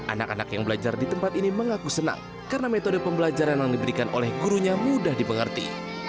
anak anak yang belajar di tempat ini mengaku senang karena metode pembelajaran yang diberikan oleh gurunya mudah dipengerti